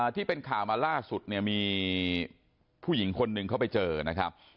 ที่เป็นข่าวมาล่าสุดเนี่ยมีผู้หญิงคนหนึ่งเข้าไปเจอนะครับ